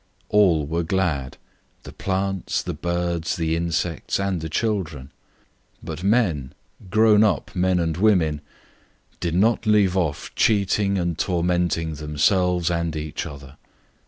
All were glad, the plants, the birds, the insects, and the children. But men, grown up men and women, did not leave off cheating and tormenting themselves and each other.